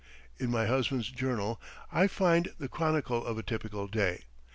In my husband's journal I find the chronicle of a typical day.